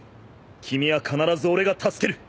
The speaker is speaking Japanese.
君は必ず俺が助ける。